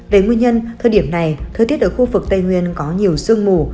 về nguyên nhân thời điểm này thời tiết ở khu vực tây nguyên có nhiều sương mù